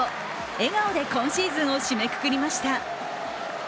笑顔で今シーズンを締めくくりました。